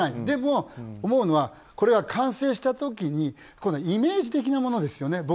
でも、思うのはこれが完成した時にイメージ的なものですよね。